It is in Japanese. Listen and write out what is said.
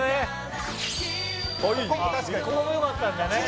あいいここもよかったんだね